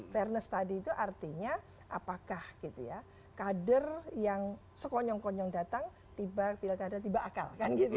fairness tadi itu artinya apakah kader yang sekonyong konyong datang tiba tiba akal